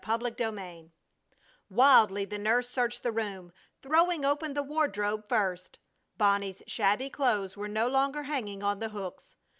CHAPTER XIII Wildly the nurse searched the room, throwing open the wardrobe first! Bonnie's shabby clothes were no longer hanging on the hooks!